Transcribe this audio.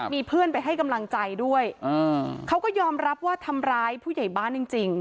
มีเพื่อนไปให้กำลังใจด้วยเขาก็ยอมรับว่าทำร้ายผู้ใหญ่บ้านจริง